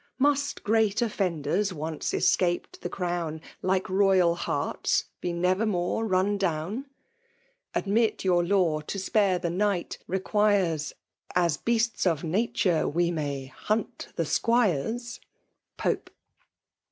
Must great oSbnden, once escaped the crown, like royal harts, be never more run down ? Admit yoor law to spaze the knight requires. As beasts of nature may we hunt the squires ? POPB.